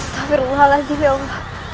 tauhir allah azimu allah